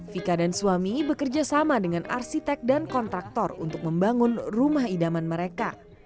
vika dan suami bekerja sama dengan arsitek dan kontraktor untuk membangun rumah idaman mereka